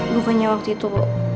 bukannya waktu itu